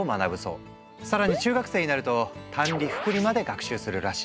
更に中学生になると「単利・複利」まで学習するらしい。